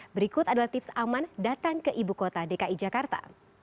berikut adalah tips aman datang ke ibu kota dki jakarta